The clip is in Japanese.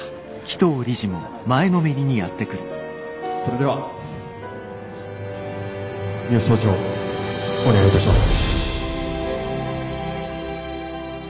それでは三芳総長お願いいたします。